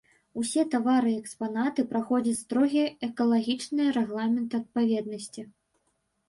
Усе тавары і экспанаты праходзяць строгі экалагічны рэгламент адпаведнасці.